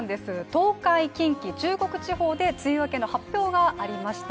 東海、近畿、中国地方で梅雨明けの発表がありました。